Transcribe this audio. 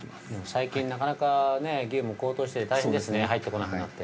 ◆最近なかなか牛も高騰して大変ですね、入ってこなくて。